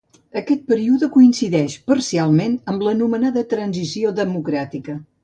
Aquest període coincideix parcialment amb l'anomenada transició democràtica.